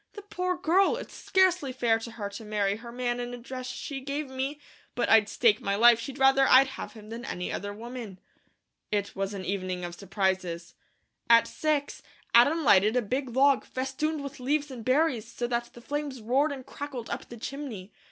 The poor girl! It's scarcely fair to her to marry her man in a dress she gave me; but I'd stake my life she'd rather I'd have him than any other woman." It was an evening of surprises. At six, Adam lighted a big log, festooned with leaves and berries so that the flames roared and crackled up the chimney.